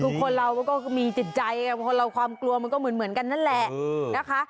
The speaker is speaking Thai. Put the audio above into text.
คนเรามันก็มีจิตใจคนเราความกลัวมันก็เหมือนกันนั่นแหละนะคะ